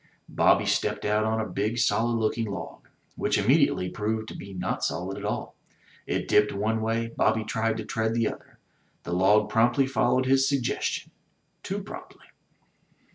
Bobby stepped out on a big solid looking log, which imme diately proved to be not solid at all. It dipped one way, Bobby tried to tread the other. The log promptly followed his sug gestion — too promptly.